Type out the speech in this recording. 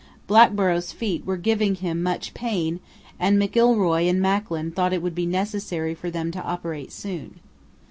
Blackborrow's feet were giving him much pain, and McIlroy and Macklin thought it would be necessary for them to operate soon.